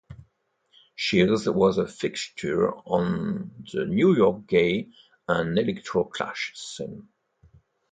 Shears was a fixture on the New York gay and electroclash scene.